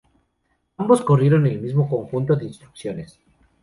Ambos corrieron el mismo conjunto de instrucciones.